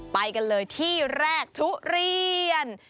ไปกันเลยที่แรกทุเรียน